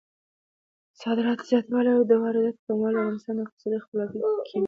د صادراتو زیاتوالی او د وارداتو کموالی د افغانستان د اقتصادي خپلواکۍ کیلي ده.